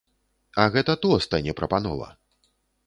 А гэта тост, а не прапанова.